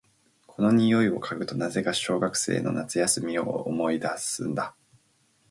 この匂いを嗅ぐと、なぜか小学生の夏休みを思い出すんだ。